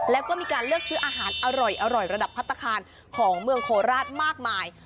แล้วก็มีการเลือกซื้ออาหารอร่อยระดับพัฒนาคารของเมืองโคราชมากมาย